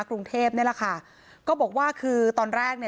กรุงเทพนี่แหละค่ะก็บอกว่าคือตอนแรกเนี่ย